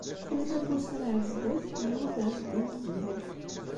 Tlata n wussan ar zdat, yemmut Ɛezdin n Tezmalt.